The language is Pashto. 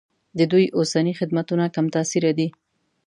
د دوی اوسني خدمتونه کم تاثیره دي.